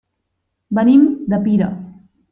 Venim de Pira.